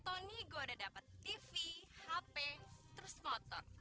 oh ini gua udah dapet tv hp terus motor